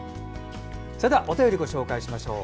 それではお便りをご紹介しましょう。